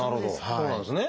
そうなんですね。